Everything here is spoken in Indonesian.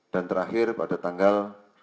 dan terakhir pada tanggal